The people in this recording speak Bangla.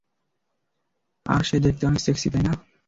আর সে দেখতে অনেক সেক্সি, তাই না?